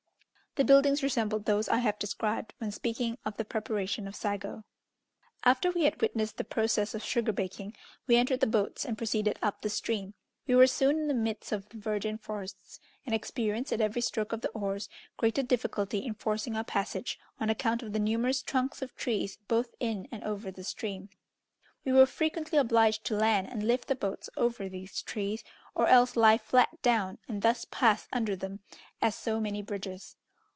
The buildings resembled those I have described when speaking of the preparation of sago. After we had witnessed the process of sugar baking, we entered the boats, and proceeded up the stream. We were soon in the midst of the virgin forests, and experienced, at every stroke of the oars, greater difficulty in forcing our passage, on account of the numerous trunks of trees both in and over the stream. We were frequently obliged to land and lift the boats over these trees, or else lie flat down, and thus pass under them as so many bridges.